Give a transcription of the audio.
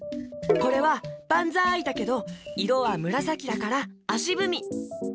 これは「ばんざい」だけどいろはむらさきだからあしぶみ。